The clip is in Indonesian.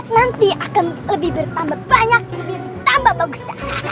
nanti akan lebih bertambah banyak dan lebih bertambah bagus